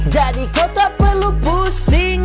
jadi kau tak perlu pusing